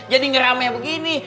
jadi ngeramah begini